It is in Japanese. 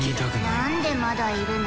何でまだいるの？